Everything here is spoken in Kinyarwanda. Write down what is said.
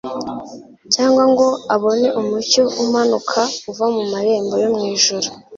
cyangwa ngo abone umucyo umanuka uva mu marembo yo mw’ijuru